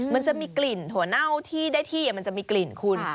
มันจะมีกลิ่นถั่วเน่าที่ได้ที่มันจะมีกลิ่นคุณ